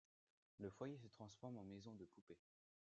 Le foyer se transforme en maison de poupée.